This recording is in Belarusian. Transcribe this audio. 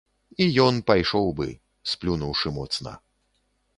І ён пайшоў быў, сплюнуўшы моцна.